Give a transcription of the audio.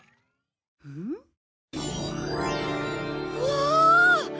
うわ！